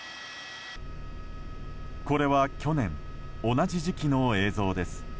これは去年同じ時期の映像です。